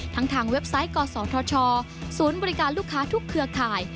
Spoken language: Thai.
ทางเว็บไซต์กศธชศูนย์บริการลูกค้าทุกเครือข่าย